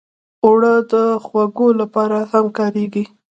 اوړه د خوږو لپاره هم کارېږي